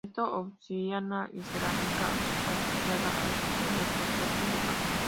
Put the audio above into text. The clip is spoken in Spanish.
Esta obsidiana y cerámica asociada a estos hallazgos datan de ca.